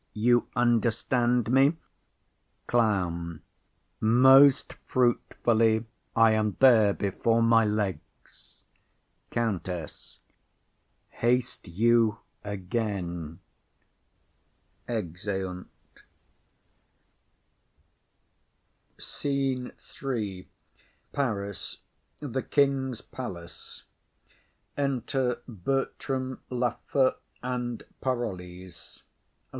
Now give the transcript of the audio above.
You understand me? CLOWN. Most fruitfully. I am there before my legs. COUNTESS. Haste you again. [Exeunt severally.] SCENE III. Paris. The King's palace. Enter Bertram, Lafew and Parolles.